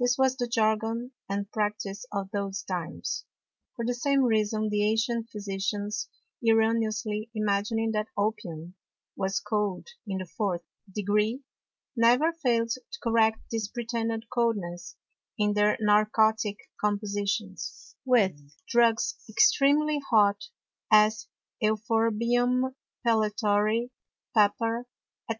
This was the Jargon and Practice of those Times. For the same Reason the ancient Physicians erroneously imagining that Opium was cold in the fourth Degree, never fail'd to correct this pretended Coldness in their narcotick Compositions, with Drugs extremely hot, as Euphorbium, Pellitory, Pepper, &c.